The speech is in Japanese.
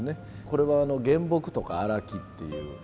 これは原木とか荒木っていう。